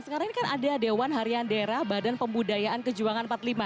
sekarang ini kan ada dewan harian daerah badan pembudayaan kejuangan empat puluh lima